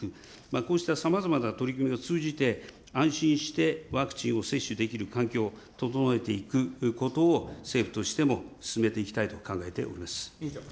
こうしたさまざまな取り組みを通じて、安心してワクチンを接種できる環境を整えていくことを政府としても進めていきたいと考えております。